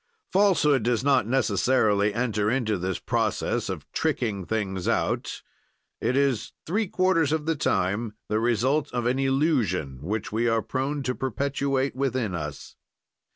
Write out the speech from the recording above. "Falsehood does not necessarily enter into this process of tricking things out; it is, three quarters of the time, the result of an illusion which we are prone to perpetuate within us.